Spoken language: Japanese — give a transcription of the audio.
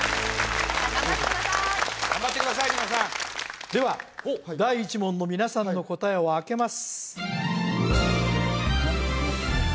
皆さん頑張ってください頑張ってください皆さんでは第１問の皆さんの答えをあけます